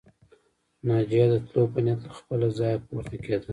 ناجيه د تلو په نيت له خپله ځايه پورته کېده